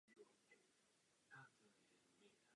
Třikrát startovala na olympijských hrách.